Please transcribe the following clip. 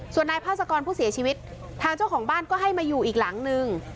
ส่วนนายพาสกรผู้เสียชีวิตทางเจ้าของบ้านก็ให้มาอยู่อีกหลังนึง